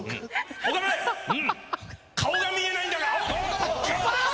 顔が見えないんだが。